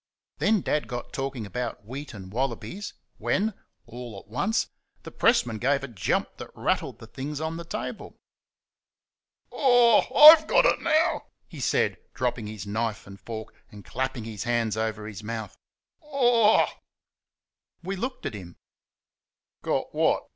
Then Dad got talking about wheat and wallabies when, all at once, the pressman gave a jump that rattled the things on the table. "Oh h h!...I'VE got it now!" he said, dropping his knife and fork and clapping his hands over his mouth. "Ooh!" We looked at him. "Got what?"